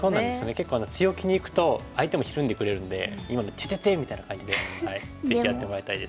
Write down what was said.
結構強気にいくと相手もひるんでくれるんで今の「テテテイッ！」みたいな感じでぜひやってもらいたいです。